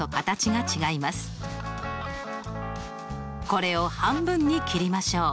これを半分に切りましょう。